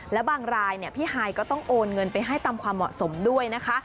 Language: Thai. และบางรายพี่ฮายก็ต้องโอนเงินไปให้ตามความเหมาะสมด้วยนะคะ